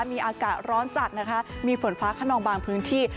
มีอากาศร้อนจัดนะคะมีฝนฟ้าขนองบางพื้นที่